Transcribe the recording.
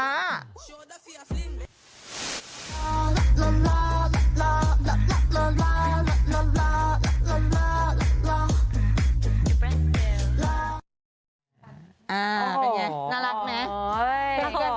เป็นไงน่ารักไหม